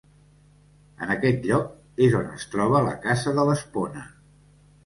En aquest lloc és on es troba la Casa de l'Espona.